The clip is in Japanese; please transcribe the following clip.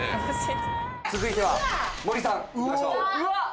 続いては森さんいきましょう。